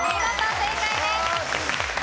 正解です。